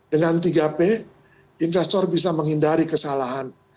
dengan tiga p investor bisa menghindari kesalahan